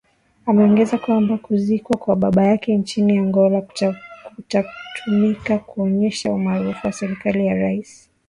Ameongeza kwamba kuzikwa kwa baba yake nchini Angola kutatumika kuonyesha umaarufu wa serikali ya rais